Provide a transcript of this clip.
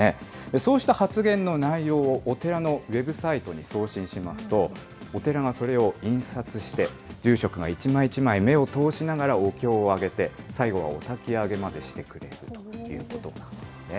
そうした発言の内容をお寺のウェブサイトに送信しますと、お寺がそれを印刷して、住職が一枚一枚目を通しながら、お経をあげて、最後はおたき上げまでしてくれるということなんですね。